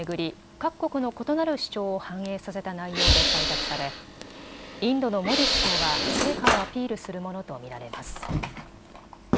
各国の異なる主張を反映させた内容で採択されインドのモディ首相は成果をアピールするものと見られます。